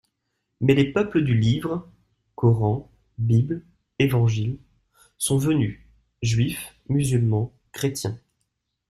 Mais les peuples du Livre (Coran, Bible, Évangile) sont venus : juifs, musulmans, chrétiens.